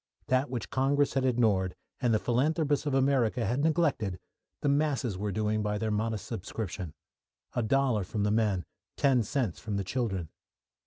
That which Congress had ignored, and the philanthropists of America had neglected, the masses were doing by their modest subscription a dollar from the men, ten cents from the children.